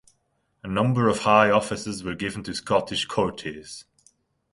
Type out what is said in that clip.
A number of high offices were given to Scottish courtiers.